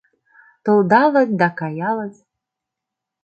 Толдалыт да каялыт.